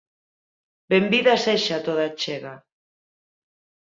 Benvida sexa toda achega.